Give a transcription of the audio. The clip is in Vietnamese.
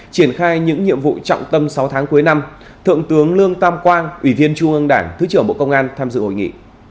triển khai những nhiệm vụ trọng tâm sáu tháng cuối năm thượng tướng lương tam quang ủy viên trung ương đảng thứ trưởng bộ công an tham dự hội nghị